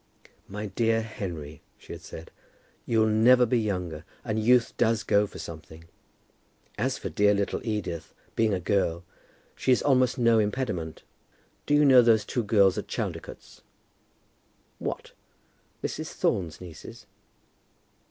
"My dear Henry," she had said, "you'll never be younger, and youth does go for something. As for dear little Edith, being a girl, she is almost no impediment. Do you know those two girls at Chaldicotes?" "What, Mrs. Thorne's nieces?"